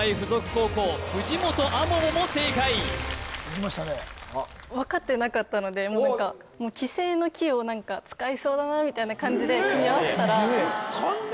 高校藤本亜桃も正解できましたね分かってなかったので何か「棋聖」の「棋」を使いそうだなみたいな感じで組み合わせたら勘で？